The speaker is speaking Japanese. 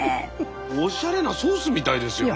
おしゃれなソースみたいですよね？